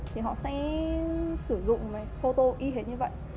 thì họ sẽ sử dụng phô tô y hệt như vậy